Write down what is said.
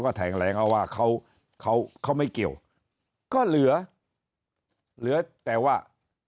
ก็แข่งแหลงว่าเขามันไม่เกี่ยวก็เหลือรือแต่ว่า